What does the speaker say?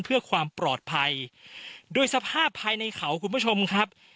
เพื่อความปลอดภัยโดยสภาพภายในเขาคุณผู้ชมครับ